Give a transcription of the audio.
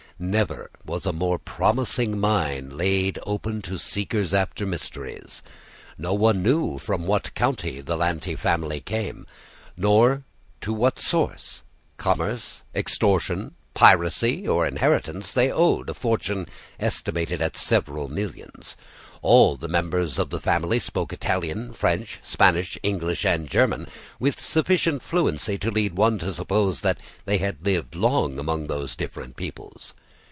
Never was a more promising mine laid open to seekers after mysteries. No one knew from what country the Lanty family came, nor to what source commerce, extortion, piracy, or inheritance they owed a fortune estimated at several millions. All the members of the family spoke Italian, French, Spanish, English, and German, with sufficient fluency to lead one to suppose that they had lived long among those different peoples.